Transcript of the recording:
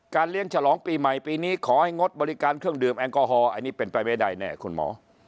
เลี้ยงฉลองปีใหม่ปีนี้ขอให้งดบริการเครื่องดื่มแอลกอฮอลอันนี้เป็นไปไม่ได้แน่คุณหมอ